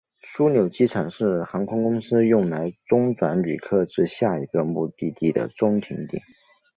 枢纽机场是航空公司用来中转旅客至下一个目的地的中停点。